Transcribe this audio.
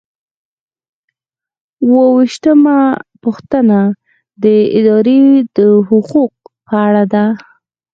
اووه ویشتمه پوښتنه د ادارې د حقوقو په اړه ده.